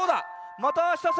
またあしたさ